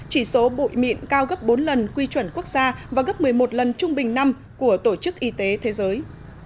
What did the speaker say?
chỉ số bụi mịn cao gấp bốn lần quy chuẩn quốc gia và gấp một mươi một lần trung bình năm của tổ chức y tế thế giới